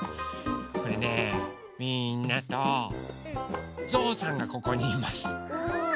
これねみんなとぞうさんがここにいます。